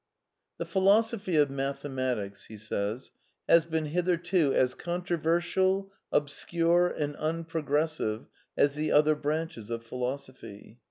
'^The Philosophy of Mathematics has been hitherto as con troversial, obscure and unprogressive as the other branches of philosophy.